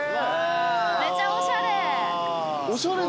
めちゃおしゃれ。